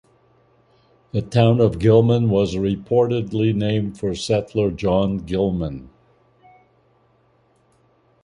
The town of Gilman was reportedly named for settler John Gilman.